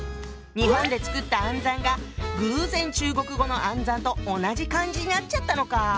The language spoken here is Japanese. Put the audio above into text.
日本でつくった「暗算」が偶然中国語の「暗算」と同じ漢字になっちゃったのか。